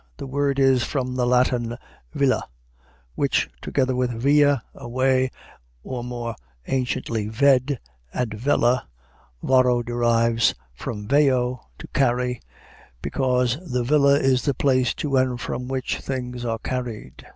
The word is from the Latin villa, which, together with via, a way, or more anciently ved and vella, Varro derives from veho, to carry, because the villa is the place to and from which things are carried.